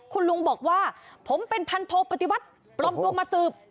คุณลุงบอกว่าผมเป็นพันโทปฏิวัติปลอมตัวมาสืบ